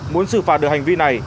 muốn xử phạt được hành vi này